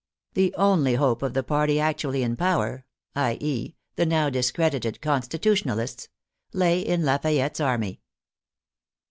The only hope of the party actually in power — i. e., the now discredited Constitutionalists — lay in La fayette's army.